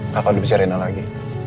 gak kudusin rena lagi